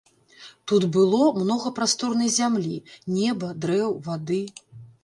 Тут было многа прасторнай зямлі, неба, дрэў, вады.